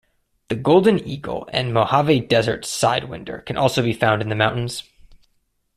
The golden eagle and Mojave Desert sidewinder can also be found in the mountains.